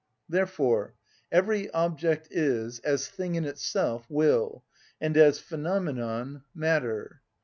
Therefore every object is, as thing in itself, will, and as phenomenon, matter.